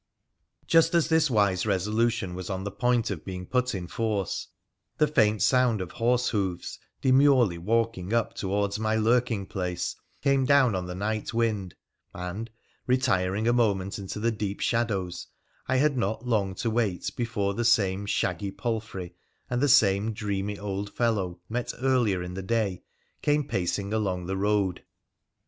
Just as this wise resolution was on the point of being put in force, the faint sound of horse hoofs, demurely walking up towards my lurking place, came down on the night wind, and, retiring a moment into the deep shadows, I had not long to wait before the same shaggy palfrey and the same dreamy old fellow met earlier in the day came pacing along the road.